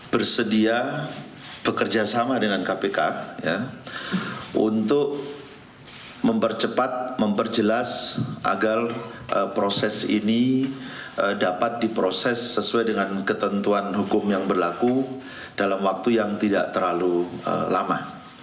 bersedia bekerjasama dengan kpk untuk mempercepat memperjelas agar proses ini dapat diproses sesuai dengan ketentuan hukum yang berlaku dalam waktu yang tidak terlalu lama